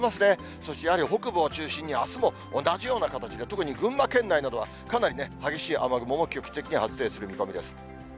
そしてやはり北部を中心に、あすも同じような形で、特に群馬県内などは、かなりね、激しい雨雲も局地的には発生する見込みです。